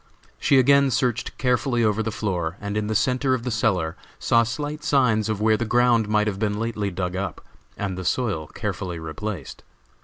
She again searched carefully over the floor, and in the centre of the cellar saw slight signs of where the ground might have been lately dug up, and the soil carefully replaced.